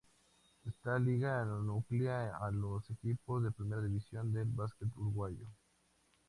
Esta liga nuclea a los equipos de Primera División del básquetbol uruguayo.